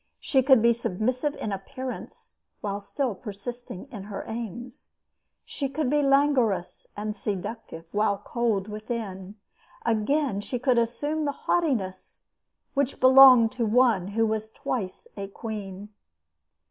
She could be submissive in appearance while still persisting in her aims. She could be languorous and seductive while cold within. Again, she could assume the haughtiness which belonged to one who was twice a queen.